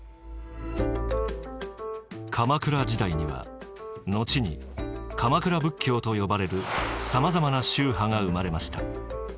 鎌倉時代には後に鎌倉仏教と呼ばれるさまざまな宗派が生まれました。